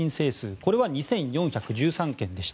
これは２４１３件でした。